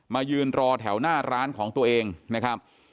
ยืนรอแถวหน้าร้านของตัวเองนะครับ